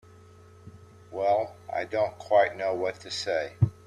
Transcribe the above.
Well—I don't quite know what to say.